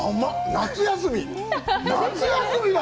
夏休みだ！